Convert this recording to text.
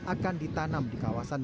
akan ditanam di kawasan